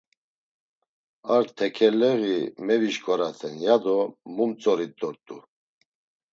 Ar tekeleği mevişǩoraten, ya do mu mtzorit dort̆u.